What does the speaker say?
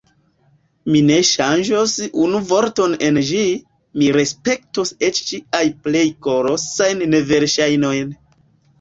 Mi ne ŝanĝos unu vorton en ĝi, mi respektos eĉ ĝiajn plej kolosajn neverŝajnojn.